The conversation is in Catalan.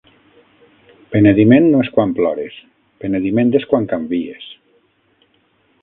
Penediment no és quan plores, penediment és quan canvies.